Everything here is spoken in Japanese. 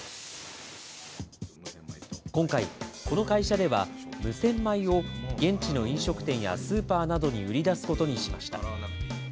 今回、この会社では無洗米を現地の飲食店やスーパーなどに売り出すことにしました。